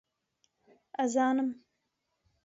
ئەزانم